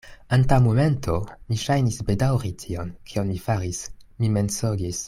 Antaŭ momento, mi ŝajnis bedaŭri tion, kion mi faris: mi mensogis.